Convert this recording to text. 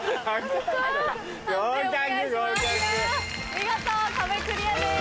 見事壁クリアです。